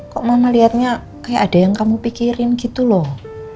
kok mama lihatnya kayak ada yang kamu pikirin gitu loh